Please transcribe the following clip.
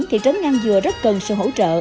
thị trấn ngang dừa rất cần sự hỗ trợ